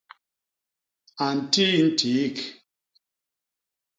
A ntii ntiik.